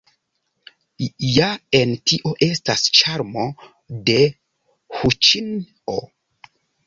Ja en tio estas ĉarmo de huĉin-o.